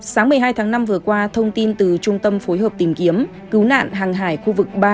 sáng một mươi hai tháng năm vừa qua thông tin từ trung tâm phối hợp tìm kiếm cứu nạn hàng hải khu vực ba